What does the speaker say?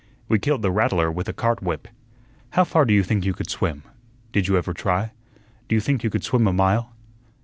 "We killed the rattler with a cart whip." "How far do you think you could swim? Did you ever try? D'you think you could swim a mile?"